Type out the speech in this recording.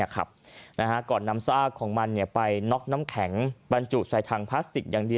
ก่อนนำซากของมันไปน็อกน้ำแข็งบรรจุใส่ถังพลาสติกอย่างเดียว